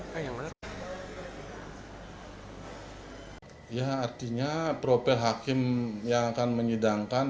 mada mengatakan penunjukan kusno untuk memimpin jalannya sidang esok hari